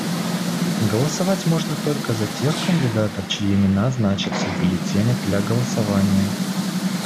Голосовать можно только за тех кандидатов, чьи имена значатся в бюллетенях для голосования.